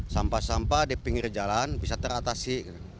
sampah sampah di pinggir jalan bisa teratasi